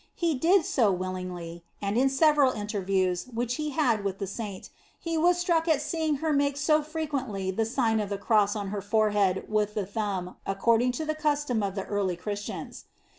He did so willingly, and in several interviews which he had with the Saint, he was struck at seeing her make so frequently the Sign of the Cross on her forehead with the thumb, according to the custom of the early Christians.